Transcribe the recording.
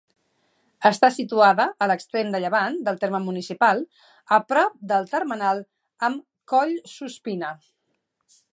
Està situada a l'extrem de llevant del terme municipal, a prop del termenal amb Collsuspina.